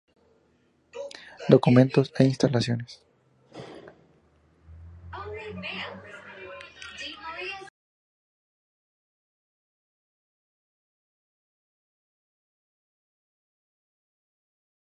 Presentan dos clases de figuras: cabezas humanas estilizadas y seres de pie.